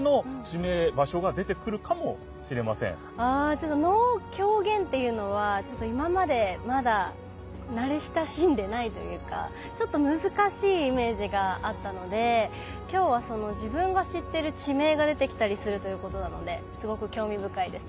ちょっと能狂言ていうのはちょっと今までまだ慣れ親しんでないというかちょっと難しいイメージがあったので今日は自分が知ってる地名が出てきたりするということなのですごく興味深いです。